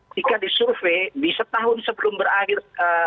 jika disurvey di setahun sebelum berakhir